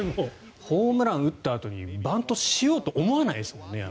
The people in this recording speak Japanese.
ホームラン打ったあとにバントしようと思わないですもんね。